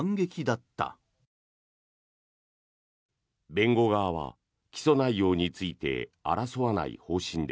弁護側は起訴内容について争わない方針で